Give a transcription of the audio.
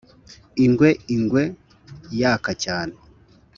ingwe! ingwe! yaka cyane